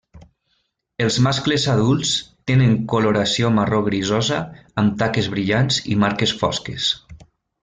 Els mascles adults tenen coloració marró grisosa amb taques brillants i marques fosques.